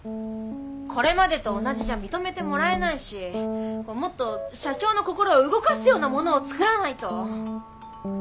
これまでと同じじゃ認めてもらえないしもっと社長の心を動かすようなものを作らないと。